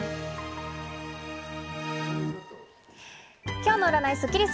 今日の占いスッキリす。